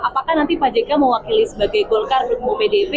apakah nanti pak jk mewakili sebagai golkar mendukung pdip